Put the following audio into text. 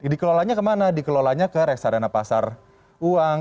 dikelolanya kemana dikelolanya ke reksadana pasar uang